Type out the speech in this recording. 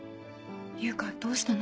夕夏どうしたの？